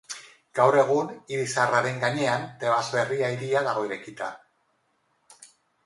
Gaur egun, hiri zaharraren gainean Tebas berria hiria dago eraikita.